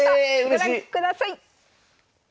ご覧ください！